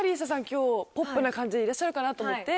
今日ポップな感じでいらっしゃるかなと思って。